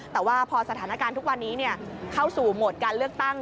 แต่ว่าพอสถานการณ์ทุกวันนี้เข้าสู่โหมดการเลือกตั้ง